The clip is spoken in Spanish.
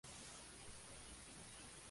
Es la secuela directa de Bomberman Land Touch!.